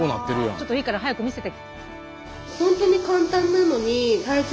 ちょっといいから早く見せて。